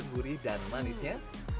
gurih dan manisnya